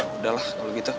udah lah kalau gitu